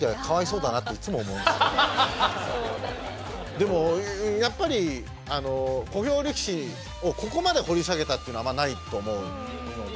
でもやっぱり小兵力士をここまで掘り下げたっていうのはあんまないと思うので。